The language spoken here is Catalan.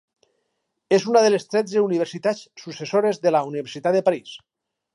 És una de les tretze universitats successores de la Universitat de París.